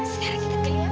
sekarang kita kelihatan